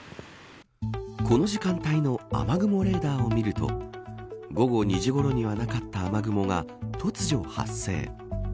この時間帯の雨雲レーダーを見ると午後２時ごろにはなかった雨雲が突如、発生。